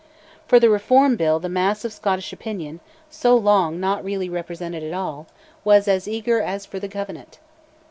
For the Reform Bill the mass of Scottish opinion, so long not really represented at all, was as eager as for the Covenant.